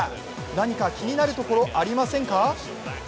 何か気になるところありませんか？